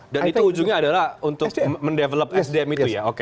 dan itu ujungnya adalah untuk mendevelop sdm itu ya